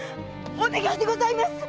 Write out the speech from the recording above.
お願いでございます‼